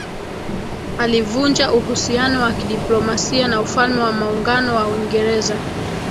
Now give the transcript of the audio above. alivunja uhusiano wa kidiplomasia na Ufalme wa Maungano wa Uingereza